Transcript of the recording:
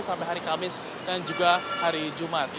sampai hari kamis dan juga hari jumat